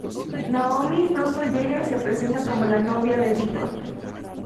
Naomi pronto llega y se presenta como la novia de Deacon.